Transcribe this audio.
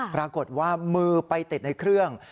ปรากฏว่ามือไปติดในเครื่อง